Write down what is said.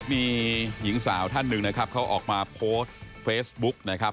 มีหญิงสาวท่านหนึ่งนะครับเขาออกมาโพสต์เฟซบุ๊กนะครับ